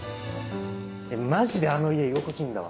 マジであの家居心地いいんだわ。